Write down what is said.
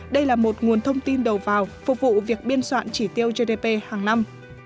đây là một nguồn thông tin đầu vào phục vụ việc biên soạn chỉ tiêu gdp hàng năm